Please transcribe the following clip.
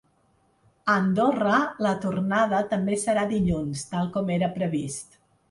A Andorra, la tornada també serà dilluns, tal com era previst.